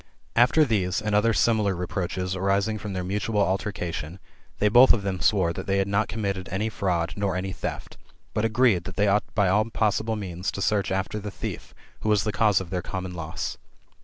"' After these, and other similar re proaches arising from their mutual altercation, they both of them swore that they had not committed any fraud, nor any theft; but agreed, that they ought by all possible means to search after the thief, who was the cause of their common loss.